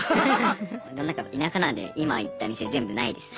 田舎なんで今言った店全部ないです。